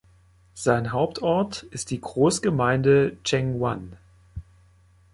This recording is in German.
Sein Hauptort ist die Großgemeinde Chengguan 城关镇.